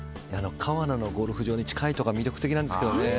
川奈のゴルフ場に近いとこは魅力的なんですけどね。